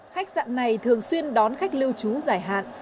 khách sạn này thường xuyên đón khách lưu trú giải hạn